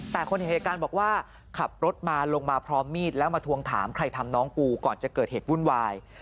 แต่คนเห็นเหตุการณ์บอกว่าขับรถมาลงมาพร้อมมีดแล้วมาทวงถามใครทำน้องกูก่อนจะเกิดเหตุวุ่นวาย